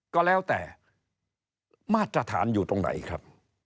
ก็แล้วแต่มาตรฐานอยู่ตรงไหนครับ